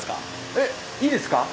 えっいいですか？